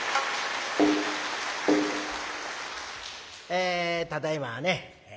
えただいまはね